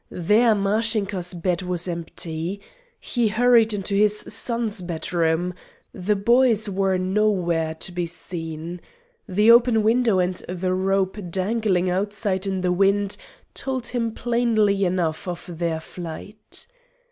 There Mashinka's bed was empty. He hurried into his son's bedroom. The boys were nowhere to be seen. The open window and the rope dangling outside in the wind told him plainly enough of their flight.